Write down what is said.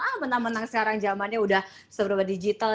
ah menang menang sekarang zamannya udah seberapa digital